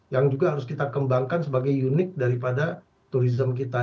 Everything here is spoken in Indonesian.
yang juga harus kita kembangkan sebagai unik daripada turisme kita